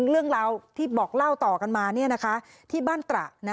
เรื่องราวที่บอกเล่าต่อกันมาที่บ้านตระ